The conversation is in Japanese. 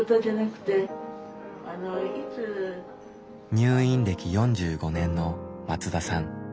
入院歴４５年の松田さん。